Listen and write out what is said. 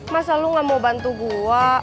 masa lu gak mau bantu gue